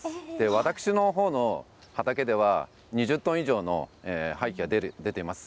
私のほうの畑では、２０トン以上の廃棄が出ています。